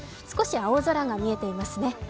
少し青空が見えていますね。